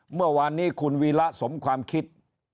เมื่อวานนี้คุณวีระสมความคิด